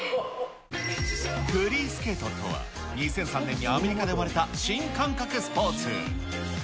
フリースケートとは、２００３年にアメリカで生まれた新感覚スポーツ。